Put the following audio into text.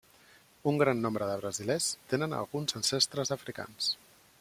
Un gran nombre de brasilers tenen alguns ancestres africans.